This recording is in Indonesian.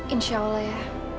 insya allah ya